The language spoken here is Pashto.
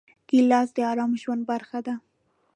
ګیلاس د ارام ژوند برخه ده.